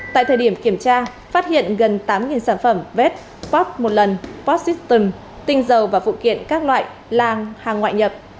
tại thời điểm kiểm tra phát hiện gần tám sản phẩm vết pop một lần pop system tinh dầu và phụ kiện các loại lang hàng ngoại nhập